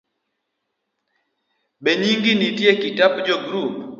Benyingi nitie e kitap jo grup?